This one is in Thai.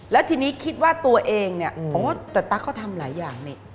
แล้วทีนี้คิดว่าตัวเองเนี่ยโอ้แต่ตั๊กเขาทำหลายอย่างนี่